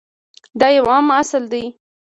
دا یو عام اصل دی.